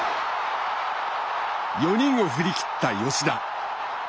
４人を振り切った吉田。